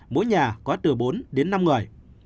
mỗi nhà có từ bốn đến năm người